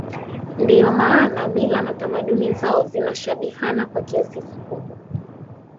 Ndio maana mila na tamaduni zao zinashabihiana kwa kiasi kikubwa